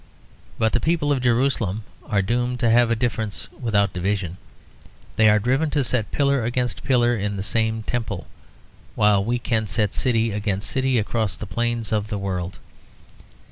But the people of Jerusalem are doomed to have difference without division. They are driven to set pillar against pillar in the same temple, while we can set city against city across the plains of the world.